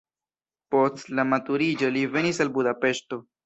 Post la maturiĝo li venis al Budapeŝto.